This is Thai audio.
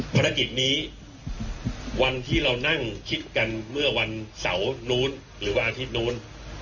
ภารกิจนี้วันที่เรานั่งคิดกันเมื่อวันเสาร์นู้นหรือวันอาทิตย์นู้น